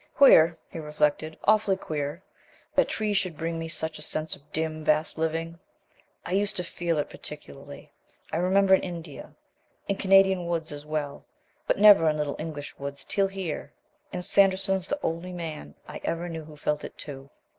"Queer," he reflected, "awfully queer, that trees should bring me such a sense of dim, vast living! I used to feel it particularly, I remember, in India; in Canadian woods as well; but never in little English woods till here. And Sanderson's the only man I ever knew who felt it too.